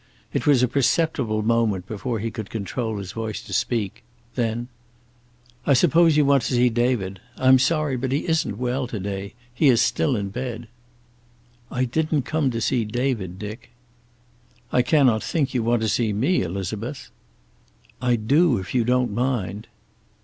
It was a perceptible moment before he could control his voice to speak. Then: "I suppose you want to see David. I'm sorry, but he isn't well to day. He is still in bed." "I didn't come to see David, Dick." "I cannot think you want to see me, Elizabeth." "I do, if you don't mind."